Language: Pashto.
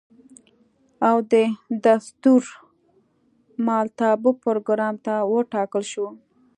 او د ستورملتابه پروګرام ته وټاکل شوه.